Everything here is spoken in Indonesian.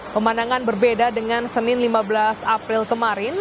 pemandangan berbeda dengan senin lima belas april kemarin